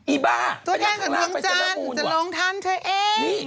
อีบ้าไปทางข้างล่างไปเซลล่ามูนว่ะตัวแก้งกันตรงจันทร์จะลองทันเธอเอง